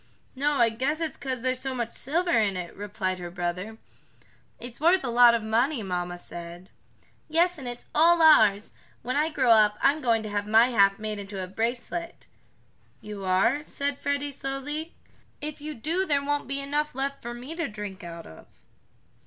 "No, I guess it's 'cause there's so much silver in it," replied her brother. "It's worth a lot of money, mamma said." "Yes, and it's all ours. When I grow up I'm going to have my half made into a bracelet." "You are?" said Freddie slowly. "If you do there won't be enough left for me to drink out of."